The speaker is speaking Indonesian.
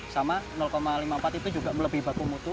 sama lima puluh empat itu juga melebih baku mutu